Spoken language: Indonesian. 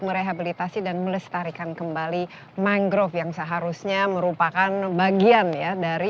merehabilitasi dan melestarikan kembali mangrove yang seharusnya merupakan bagian ya dari